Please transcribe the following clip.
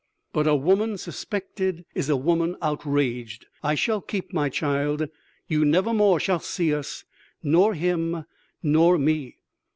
But ... a woman suspected is a woman outraged.... I shall keep my child. You never more shall see us, nor him, nor me....